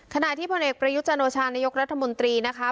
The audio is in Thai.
ขณะที่พลเอกประยุจันโอชานายกรัฐมนตรีนะคะ